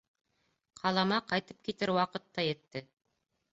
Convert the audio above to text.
...Ҡалама ҡайтып китер ваҡыт та етте.